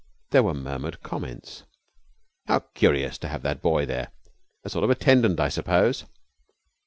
There were murmured comments. "How curious to have that boy there! A sort of attendant, I suppose."